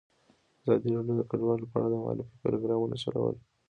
ازادي راډیو د کډوال په اړه د معارفې پروګرامونه چلولي.